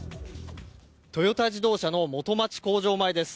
トヨタ自動車の元町工場前です。